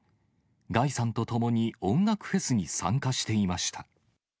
ガイさんと共に音楽フェスに参加していました。